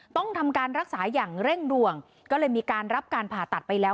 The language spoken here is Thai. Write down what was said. ต้องทำการรักษาอย่างเร่งด่วนก็เลยมีการรับการผ่าตัดไปแล้ว